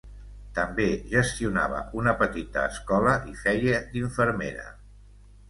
També gestionava una petita escola i feia d'infermera.